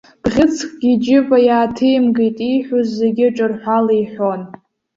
Бӷьыцкгьы иџьыба иааҭимгеит, ииҳәоз зегьы ҿырҳәала иҳәон.